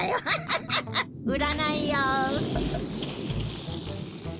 アハハハハ売らないよ。